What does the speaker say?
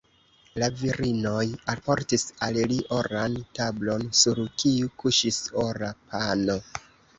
La virinoj alportis al li oran tablon, sur kiu kuŝis ora pano.